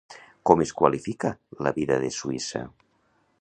Com es qualifica la vida de Suïssa?